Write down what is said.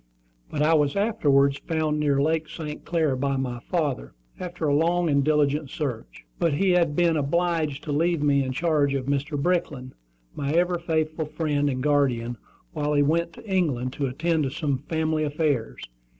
But I was afterwards found near Lake St. Clair by my father, after a long and diligent search. But he had been obliged to leave me in charge of Mr. Brickland, my ever faithful friend and guardian, while he went to England to attend to some family affairs.